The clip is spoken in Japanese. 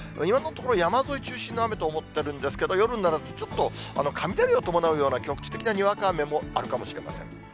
今のところ、山沿い中心の雨と思ってるんですけど、夜になると、ちょっと雷を伴うような局地的なにわか雨もあるかもしれません。